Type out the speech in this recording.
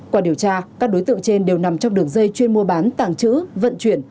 qua điều tra các đối tượng trên đều nằm trong đường dây chuyên mua bán tàng trữ vận chuyển